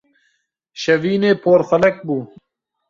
Şevînê porxelek bû.